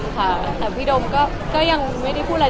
ค่ะแต่พี่โดมก็ยังไม่ได้พูดอะไร